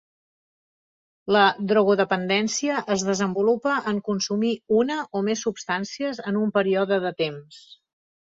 La drogodependència es desenvolupa en consumir una o més substàncies en un període de temps.